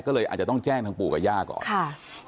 ก็เลยอาจจะต้องแจ้งทางปู่กับย่าก่อนค่ะ